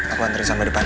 aku anterin sama depan ya